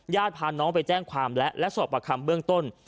ญาติพาน้องไปแจ้งความและสอบประคัมเบื้องต้น